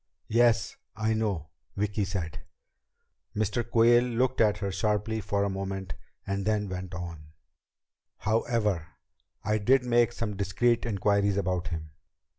"Yes, I know," Vicki said. Mr. Quayle looked at her sharply for a moment and then went on: "However, I did make some discreet inquiries about him.